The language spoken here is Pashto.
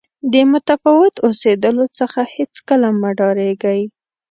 د متفاوت اوسېدلو څخه هېڅکله مه ډارېږئ.